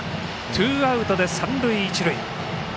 ツーアウトで三塁一塁。